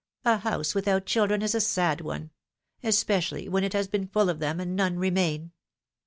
A house without children is a sad one — especially when it has been full of them and none remain.